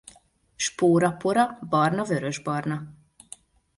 Spórapora barna-vörösbarna.